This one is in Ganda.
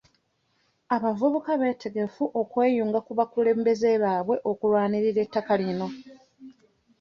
Abavubuka beetegefu okweyunga ku bakulembeze baabwe okulwanirira ettaka lino.